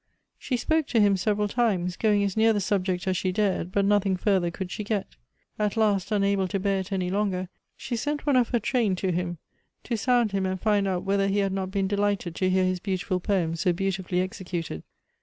She spoke to him several times, going as near the subject as she dared, but nothing further could she get. At last, unable to bear it any longer, she sent one of her train to him, to sound him and find out whether he had not been delighted to hear his beautiful poems so beautifully executed.